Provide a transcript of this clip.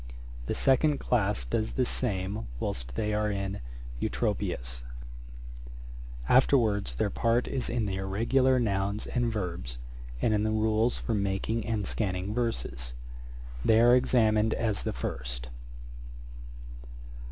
'The second class does the same whilst they are in Eutropius; afterwards their part is in the irregular nouns and verbs, and in the rules for making and scanning verses. They are examined as the first.